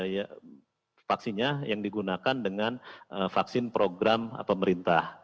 ya vaksinnya yang digunakan dengan vaksin program pemerintah